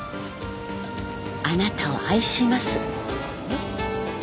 「あなたを愛します」よ。